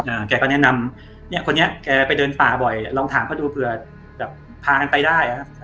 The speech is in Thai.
แกก็แนะนำเนี้ยคนนี้แกไปเดินป่าบ่อยลองถามเขาดูเผื่อแบบพากันไปได้อ่ะครับ